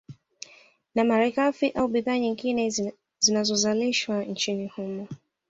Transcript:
Na malighafi au bidhaa nyingine zinazozalishwa nchini humo